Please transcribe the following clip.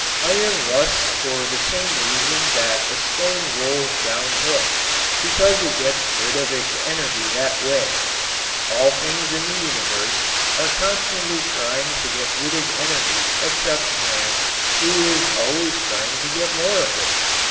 Iron rusts for the same reason that a stone rolls down hill, because it gets rid of its energy that way. All things in the universe are constantly trying to get rid of energy except man, who is always trying to get more of it.